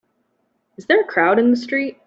Is there a crowd in the street?